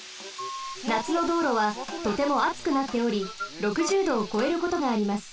なつのどうろはとてもあつくなっており６０℃をこえることがあります。